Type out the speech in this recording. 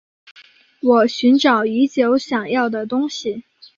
我寻找已久想要的东西